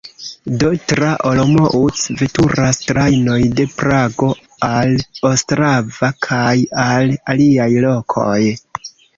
Do, tra Olomouc veturas trajnoj de Prago al Ostrava kaj al aliaj lokoj.